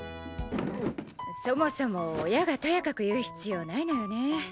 そもそも親がとやかく言う必要ないのよね。